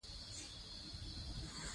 توخی غټ قوم ده.